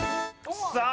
さあ